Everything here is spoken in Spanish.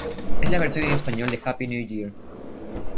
Es la versión en español de "Happy New Year".